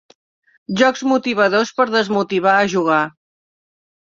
Jocs motivadors per desmotivar a jugar.